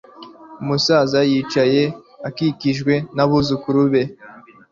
Umusaza yicaye akikijwe nabuzukuru be